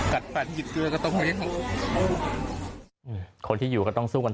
กัดปันหยิดเกลือก็ต้องเลี้ยงคนที่อยู่ก็ต้องสู้กัน